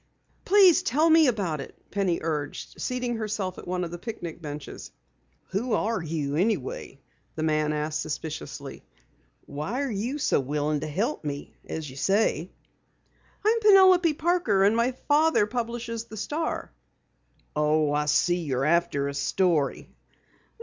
"Please tell me about it," Penny urged, seating herself at one of the picnic benches. "Who are you anyhow?" the man asked suspiciously. "Why are you so willing to help me, as you say?" "I'm Penelope Parker, and my father publishes the Star." "Oh, I see, you're after a story!"